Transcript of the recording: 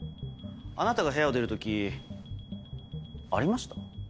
あなたが部屋を出る時ありました？